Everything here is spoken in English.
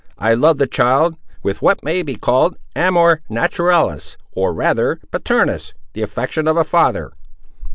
I love the child, with what may he called amor naturalis—or rather paternus—the affection of a father."